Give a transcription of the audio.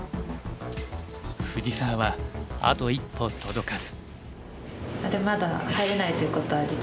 藤沢はあと一歩届かず。